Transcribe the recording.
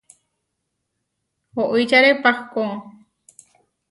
Oičare pahkó.